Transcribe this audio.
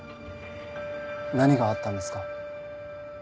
何があったんですか？